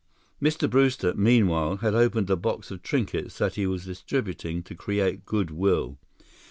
Mr. Brewster, meanwhile, had opened a box of trinkets that he was distributing to create good will.